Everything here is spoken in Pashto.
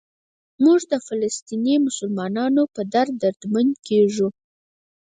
موږ د فلسطیني مسلمانانو په درد دردمند کېږو.